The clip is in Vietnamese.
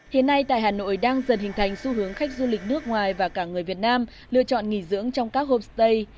hiện nay tại hà nội đang dần hình thành xu hướng khách du lịch nước ngoài và cả người việt nam lựa chọn nghỉ dưỡng trong các homestay